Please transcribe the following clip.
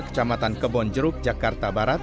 kecamatan kebonjeruk jakarta barat